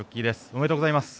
おめでとうございます。